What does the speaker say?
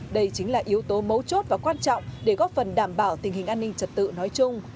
đây chính là yếu tố mấu chốt và quan trọng để góp phần đảm bảo tình hình an ninh trật tự nói chung